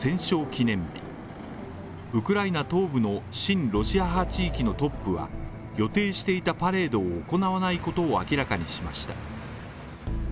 記念日ウクライナ東部の親ロシア派地域のトップは予定していたパレードを行わないことを明らかにしました。